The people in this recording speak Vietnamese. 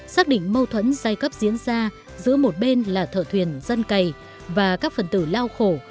xác định mâu thuẫn giai cấp diễn ra giữa một bên là thợ thuyền dân cày và các phần tử lao khổ